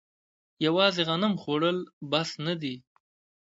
یوازې غنم خوړل بس نه دي.